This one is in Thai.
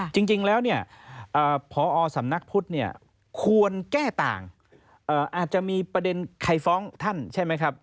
จริงแล้วเนี่ยพอสำนักพุทธเนี่ยควรแก้ต่างอาจจะมีประเด็นใครฟ้องท่านใช่ไหมครับ